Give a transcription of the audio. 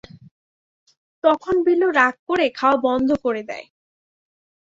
তখন বিলু রাগ করে খাওয়া বন্ধ করে দেয়।